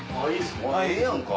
あぁええやんか。